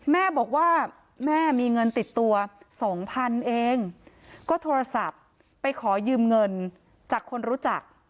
แม่บอกว่าแม่มีเงินติดตัว๒๐๐เองก็โทรศัพท์ไปขอยืมเงินจากคนรู้จัก